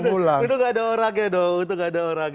untung gak ada orangnya